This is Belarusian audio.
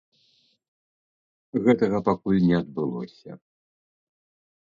Гэтага пакуль не адбылося.